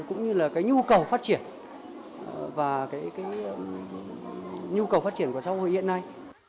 cũng như là nhu cầu phát triển và nhu cầu phát triển của xã hội hiện nay